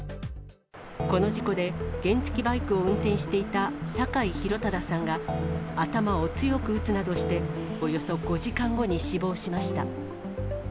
この事故で、原付きバイクを運転していた酒井洋忠さんが、頭を強く打つなどしておよそ５時間後に死亡しました。